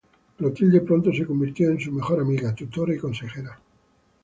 Clotilde pronto se convirtió en su mejor amiga, tutora y consejera.